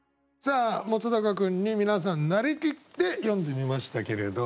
本君に皆さんなりきって詠んでみましたけれど。